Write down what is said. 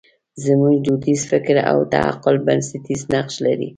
زموږ دودیز فکر او تعقل بنسټیز نقش لري.